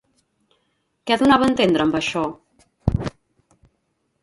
Què donava entendre amb això?